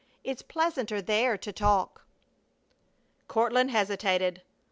It's pleasanter there to talk." Courtland hesitated.